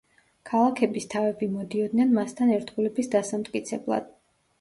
ქალაქების თავები მოდიოდნენ მასთან ერთგულების დასამტკიცებლად.